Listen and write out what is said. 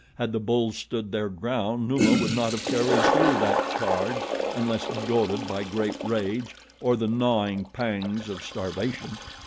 Had the bulls stood their ground, Numa would not have carried through that charge unless goaded by great rage or the gnawing pangs of starvation.